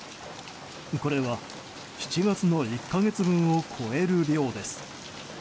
これは７月の１か月分を超える量です。